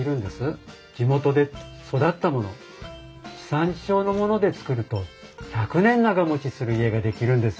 地元で育ったもの地産地消のもので造ると１００年長もちする家が出来るんです。